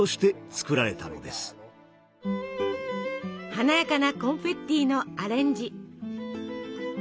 華やかなコンフェッティのアレンジ。